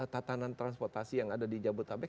tatanan transportasi yang ada di jabodetabek